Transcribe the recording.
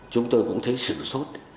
chúng tôi cũng thấy sự sốt